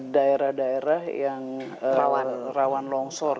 daerah daerah yang rawan longsor